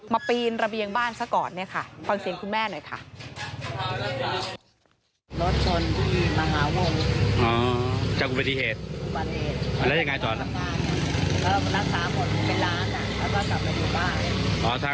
มาปีนระเบียงบ้านซะก่อนฟังเสียงคุณแม่หน่อยค่ะ